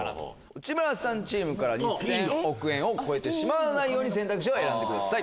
内村さんチームから２０００億円を超えないように選んでください。